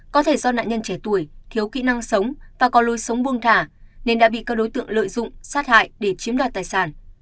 có thể do nạn nhân trẻ tuổi thiếu kỹ năng sống và có lối sống buông thả nên đã bị các đối tượng lợi dụng sát hại để chiếm đoạt tài sản